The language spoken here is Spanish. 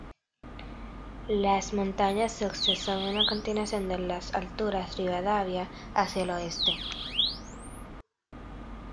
Las Montañas Sussex son una continuación de las alturas Rivadavia hacia el oeste.